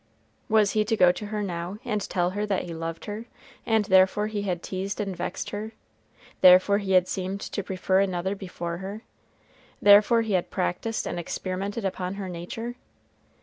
Was he to go to her now and tell her that he loved her, and therefore he had teased and vexed her, therefore he had seemed to prefer another before her, therefore he had practiced and experimented upon her nature?